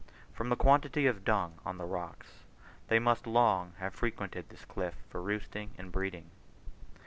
From the quantity of dung on the rocks they must long have frequented this cliff for roosting and breeding.